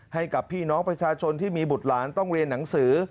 ให้กับพี่น้องประชาชนที่มีบุตรหลานต้องเรียนหนังสือ